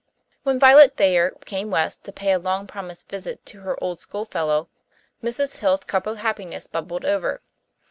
When Violet Thayer came west to pay a long promised visit to her old schoolfellow, Mrs. Hill's cup of happiness bubbled over.